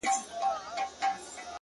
مثبت لید د ستونزو بڼه نرموي